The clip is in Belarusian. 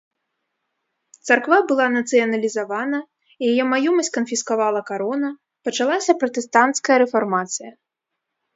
Царква была нацыяналізавана, яе маёмасць канфіскавала карона, пачалася пратэстанцкая рэфармацыя.